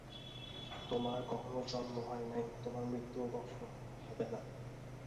তোমার কখনও জন্ম হয় নাই, তোমার মৃত্যুও কখনও হইবে না।